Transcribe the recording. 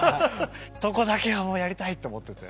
そこだけはもうやりたいと思ってて。